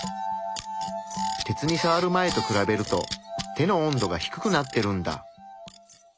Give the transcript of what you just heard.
鉄にさわる前と比べると手の温度が低くなってるんだ。